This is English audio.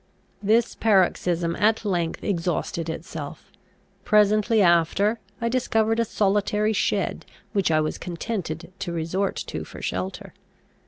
This paroxysm at length exhausted itself. Presently after, I discovered a solitary shed, which I was contented to resort to for shelter.